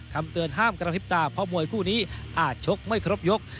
คำเตือนห้ามกระพริบตาเพราะมวยคู่นี้อาจชกไม่ครบยก